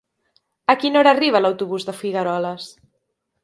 A quina hora arriba l'autobús de Figueroles?